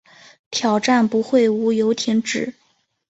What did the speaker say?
挑战不会无由停止